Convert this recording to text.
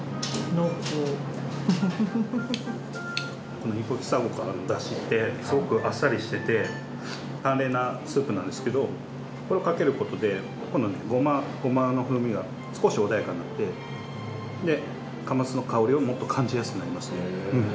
このイボキサゴからのだしってすごくあっさりしてて端麗なスープなんですけどこれをかけることで今度ごまの風味が少し穏やかになってでカマスの香りをもっと感じやすくなりますね。